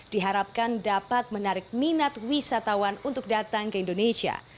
diharapkan dapat menarik minat wisatawan untuk datang ke indonesia